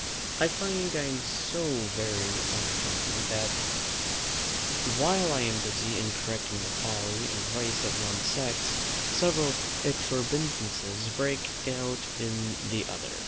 I find I am so very unhappy, that, while I am busy in correcting the folly and vice of one sex, several exorbitances break out in the other.